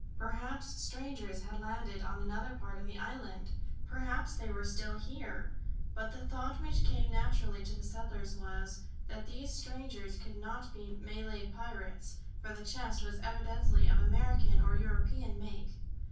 Perhaps strangers had landed on another part of the island? Perhaps they were still there? But the thought which came naturally to the settlers was, that these strangers could not be Malay pirates, for the chest was evidently of American or European make.